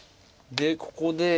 でここで。